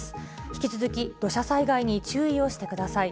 引き続き、土砂災害に注意をしてください。